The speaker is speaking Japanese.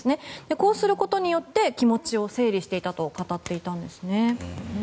こうすることによって気持ちを整理していたと語っていたんですね。